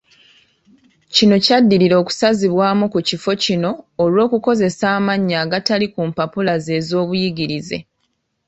Kino kyaddirira okusazibwamu ku kifo kino olw'okukozesa amannya agatali ku mpapula ze ez'obuyigirize.